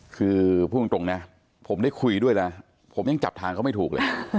คือพูดตรงนะผมได้คุยด้วยนะผมยังจับทางเขาไม่ถูกเลย